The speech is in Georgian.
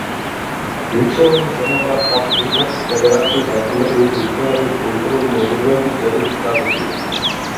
ლიცეუმის შენობას აქვს რუსეთის ფედერაციის ადგილობრივი მნიშვნელობის კულტურული მემკვიდრეობის ძეგლის სტატუსი.